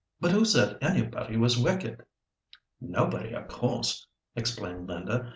"But who said anybody was wicked?" "Nobody, of course," explained Linda.